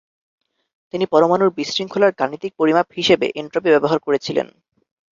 তিনি পরমাণুর বিশৃঙ্খলার গাণিতিক পরিমাপ হিসেবে এনট্রপি ব্যবহার করেছিলেন।